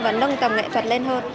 và nâng tầm nghệ thuật lên hơn